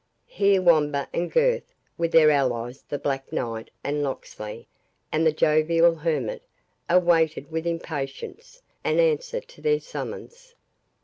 Here Wamba and Gurth, with their allies the Black Knight and Locksley, and the jovial hermit, awaited with impatience an answer to their summons.